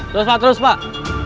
terus pak terus pak